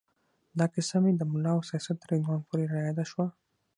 دا کیسه مې د ملا او سیاست تر عنوان پورې را یاده شوه.